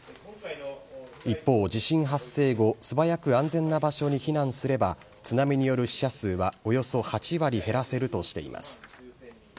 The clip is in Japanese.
一方、地震発生後、素早く安全な場所に避難すれば、津波による死者数はおよそ８割減らせるとしています。